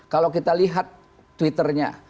kalau kita lihat twitternya